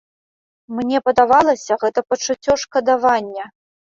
Мне падавалася, гэта пачуццё шкадавання.